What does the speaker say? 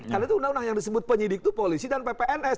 karena itu undang undang yang disebut penyidik itu polisi dan ppns